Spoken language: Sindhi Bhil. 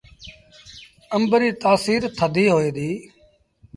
آݩب ريٚ تآسيٚر ٿڌي هوئي ديٚ۔